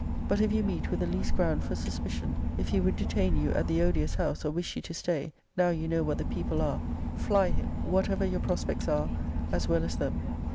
But if you meet with the least ground for suspicion; if he would detain you at the odious house, or wish you to stay, now you know what >>> the people are; fly him, whatever your prospects are, as well as them.